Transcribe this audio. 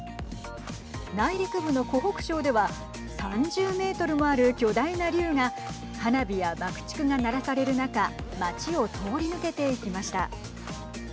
内陸部の湖北省では３０メートルもある巨大な竜が花火や爆竹が鳴らされる中町を通り抜けて行きました。